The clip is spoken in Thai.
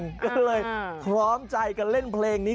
ก็เลยพร้อมใจกันเล่นเพลงนี้